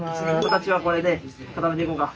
形はこれで固めていこうか。